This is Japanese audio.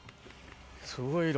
すごい色。